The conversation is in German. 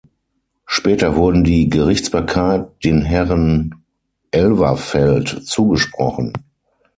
Später wurden die Gerichtsbarkeit den Herren Elverfeld zugesprochen.